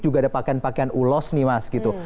juga ada pakaian pakaian ulos nih mas gitu